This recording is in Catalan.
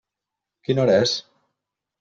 Quina hora és?